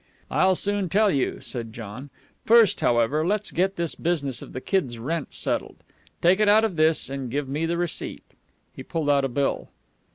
"I'll soon tell you," said John. "First, however, let's get this business of the kid's rent settled. Take it out of this and give me the receipt." He pulled out a bill.